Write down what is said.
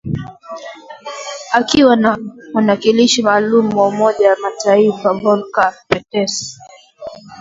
Akiwa na mwakilishi maalum wa Umoja wa Mataifa, Volker Perthes